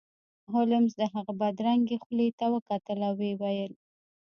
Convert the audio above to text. هولمز د هغه بدرنګې خولې ته وکتل او ویې ویل